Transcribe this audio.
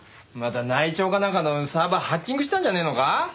また内調かなんかのサーバーハッキングしたんじゃねえのか？